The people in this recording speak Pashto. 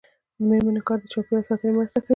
د میرمنو کار د چاپیریال ساتنې مرسته کوي.